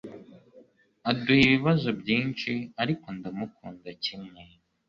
aduha ibibazo byinshi, ariko ndamukunda kimwe